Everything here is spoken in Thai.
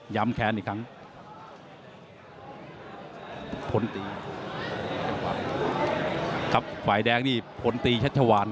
ย้ำแค้นอีกครั้ง